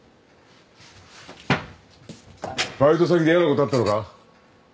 バイト先で嫌なことあったのか？